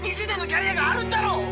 ２０年のキャリアがあるんだろ！